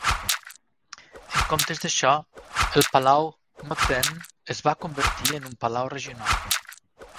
En comptes d'això, el palau Mukden es va convertir en un palau regional.